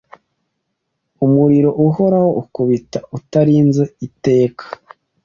Umuriro uhoraho ukubita utarinze Iteka